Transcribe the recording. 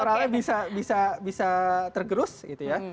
karena itu peralatan bisa tergerus gitu ya